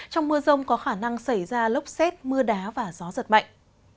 trong mưa rông có khả năng xảy ra lốc xét mưa đá và gió giật mạnh